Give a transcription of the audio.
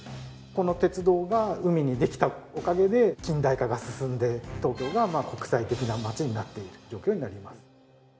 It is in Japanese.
この鉄道が海にできたおかげで近代化が進んで東京が国際的な街になっている状況になります。